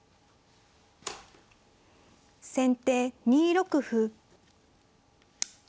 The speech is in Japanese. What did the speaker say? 先手２六歩。